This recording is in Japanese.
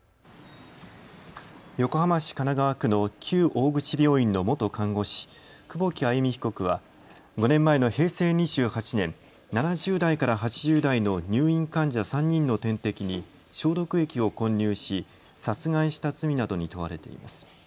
横浜市神奈川区の旧大口病院の元看護師、久保木愛弓被告は５年前の平成２８年、７０代から８０代の入院患者３人の点滴に消毒液を混入し殺害した罪などに問われています。